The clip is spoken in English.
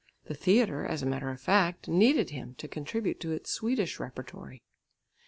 The theatre, as a matter of fact, needed him to contribute to its Swedish repertory.